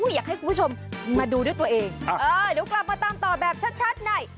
อยากให้คุณผู้ชมมาดูด้วยตัวเองเออเดี๋ยวกลับมาตามต่อแบบชัดใน